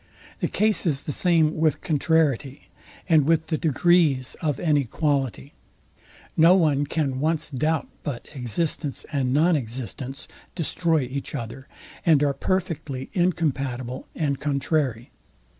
The case is the same with contrariety, and with the degrees of any quality. No one can once doubt but existence and non existence destroy each other, and are perfectly incompatible and contrary.